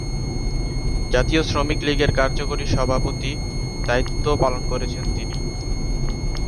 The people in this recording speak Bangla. জাতীয় শ্রমিক লীগের কার্যকরী সভাপতির দায়িত্ব পালন করেছেন তিনি।